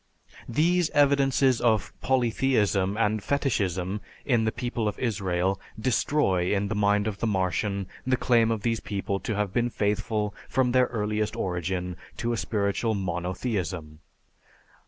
These evidences of polytheism and fetichism in the people of Israel destroy, in the mind of the Martian, the claim of these people to have been faithful from their earliest origin to a spiritual monotheism.